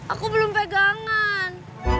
aku belum pegangan